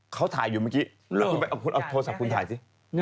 เขาถ่ายอยู่เมื่อกี้เอาโทรศัพท์คุณถ่ายสิ